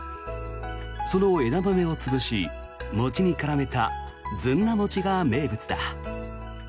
その枝豆を潰し、餅に絡めたずんだ餅が名物だ。